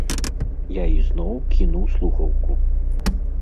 Я ізноў кінуў слухаўку.